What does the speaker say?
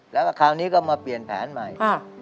แล้วก็คราวนี้ก็มาเปลี่ยนแผนใหม่